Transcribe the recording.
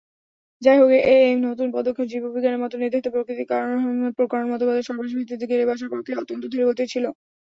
যাইহোক, এই নতুন পদক্ষেপ জীববিজ্ঞানের মত নির্ধারিত প্রাকৃতিক প্রকরণ মতবাদের সর্বশেষ ভিত্তিতে গেড়ে বসার পক্ষে অত্যন্ত ধীরগতির ছিল।